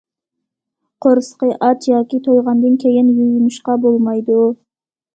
قورسىقى ئاچ ياكى تويغاندىن كېيىن يۇيۇنۇشقا بولمايدۇ.